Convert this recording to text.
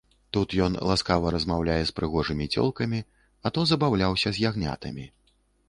Тут ён ласкава размаўляе з прыгожымі цёлкамі, а то забаўляўся з ягнятамі.